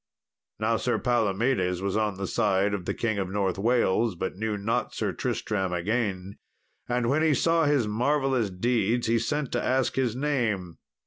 Now Sir Palomedes was on the side of the King of North Wales, but knew not Sir Tristram again. And, when he saw his marvellous deeds, he sent to ask his name.